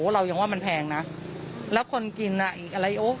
เรายังว่ามันแพงนะแล้วคนกินน่ะอีกอะไรโอ๊